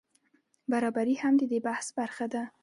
برابري هم د دې بحث برخه ده.